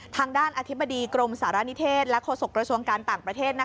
ทางด้านอธิบดีกรมสารณิเทศและโฆษกระทรวงการต่างประเทศ